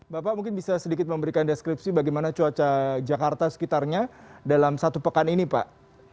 bapak mungkin bisa sedikit memberikan deskripsi bagaimana cuaca jakarta sekitarnya dalam satu pekan ini pak